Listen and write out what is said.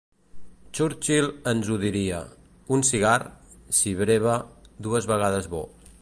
Churchill ens ho diria: “un cigar, si breva, dues vegades bo”.